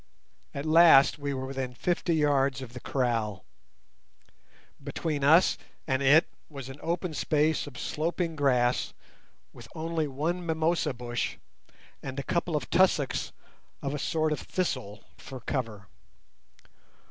At last we were within fifty yards of the kraal. Between us and it was an open space of sloping grass with only one mimosa bush and a couple of tussocks of a sort of thistle for cover.